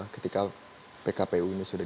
ketika pkpu ini sudah